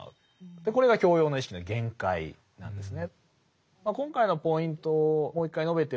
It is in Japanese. これが教養の意識の限界なんですね。